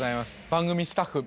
番組スタッフ